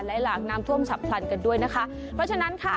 และหลากน้ำท่วมฉับพลันกันด้วยนะคะเพราะฉะนั้นค่ะ